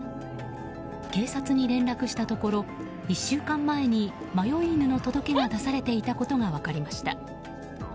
警察に連絡したところ１週間前に迷い犬の届けが出されていたことが分かりました。